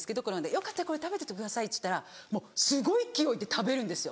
「よかったら食べてってください」って言ったらもうすごい勢いで食べるんですよ